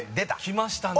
きましたね。